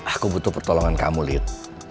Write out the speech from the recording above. aku butuh pertolongan kamu lihat